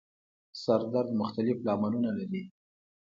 سر درد مختلف لاملونه لري